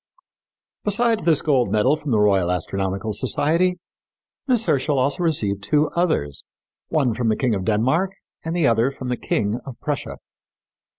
" Besides this gold medal from the Royal Astronomical Society, Miss Herschel also received two others, one from the King of Denmark and the other from the King of Prussia.